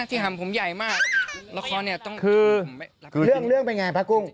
ที่หัมผมใหญ่มากละครเนี่ยต้องคือเรื่องเป็นไงพระกุ้ง